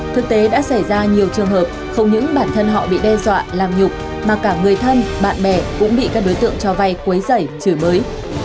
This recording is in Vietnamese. thực tế đã xảy ra nhiều trường hợp không những bản thân họ bị đe dọa làm nhục mà cả người thân bạn bè cũng bị các đối tượng cho vay quấy rảy chửi bới